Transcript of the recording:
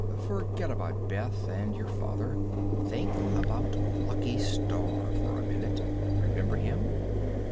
Forget about Beth and your father. Think about 'Lucky Starr' for a minute. Remember him?"